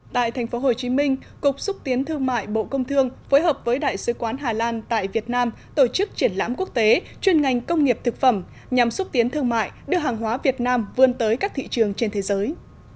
tại tp hcm cục xúc tiến thương mại bộ công thương phối hợp với đại sứ quán hà lan tại việt nam tổ chức triển lãm quốc tế chuyên ngành công nghiệp thực phẩm nhằm xúc tiến thương mại đưa hàng hóa việt nam vươn tới các thị trường trên thế giới